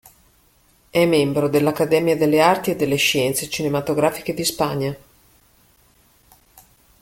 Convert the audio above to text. È membro dell'Accademia delle Arti e delle Scienze Cinematografiche di Spagna.